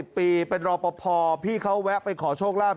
เดี๋ยวจะรอพอพี่เขาแวะไปขอโชคลาภ